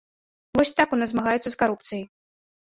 Вось так у нас змагаюцца з карупцыяй.